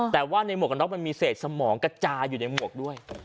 แต่ว่าในหมวกกันน็อกมันมีเศษสมองกระจายอยู่ในหมวกด้วย